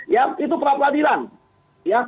ya itu problemnya